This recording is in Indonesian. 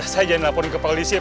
saya jangan laporin ke polisi pak rt